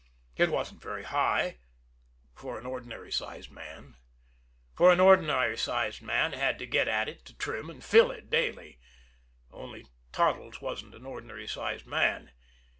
It wasn't very high for an ordinary sized man for an ordinary sized man had to get at it to trim and fill it daily only Toddles wasn't an ordinary sized man.